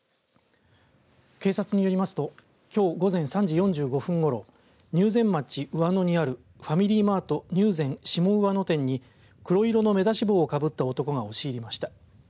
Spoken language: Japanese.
警察によりますときょう午前３時４５分ごろ入善町にあるファミリーマート入善下上野店に黒色の目出し帽をかぶった男が押し入りました。